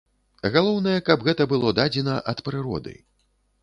Галоўнае, каб гэта было дадзена ад прыроды.